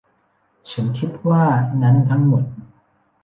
ฉันคิดว่านั้นทั้งหมด